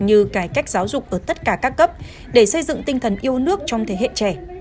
như cải cách giáo dục ở tất cả các cấp để xây dựng tinh thần yêu nước trong thế hệ trẻ